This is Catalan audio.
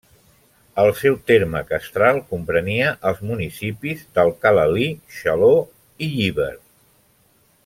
El seu terme castral comprenia els municipis d'Alcalalí, Xaló i Llíber.